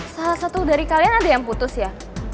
salah satu dari kalian ada yang putus ya